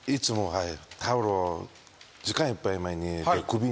はい。